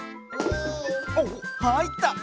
おっはいった！